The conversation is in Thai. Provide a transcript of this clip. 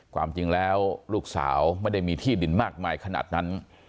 ความจริงแล้วลูกสาวไม่ได้มีที่ดินมากมายขนาดนั้น